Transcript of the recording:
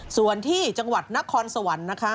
ส่วนที่จังหวัดนครสวรรค์นะคะ